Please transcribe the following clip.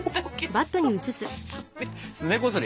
すねこすり？